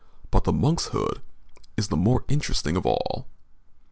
But the monk's hood is the more interesting of all.